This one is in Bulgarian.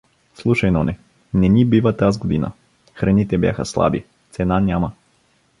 Слушай, Ноне, не ни бива таз година, храните бяха слаби, цена няма.